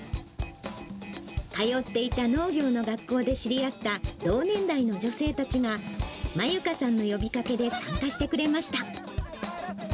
通っていた農業の学校で知り合った同年代の女性たちが、まゆかさんの呼びかけで参加してくれました。